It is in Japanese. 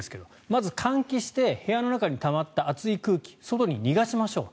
まず換気して部屋の中にたまった暑い空気外に逃がしましょう。